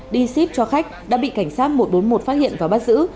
đi ship cho khách đã bị cảnh sát một trăm bốn mươi một phát hiện và bắt giữ